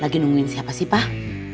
lagi nungguin siapa sih pak